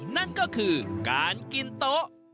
นั่นก็คือการกินโต๊ะ